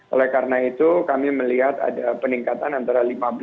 oleh karena itu kami melihat ada peningkatan antara lima belas sampai dua puluh persen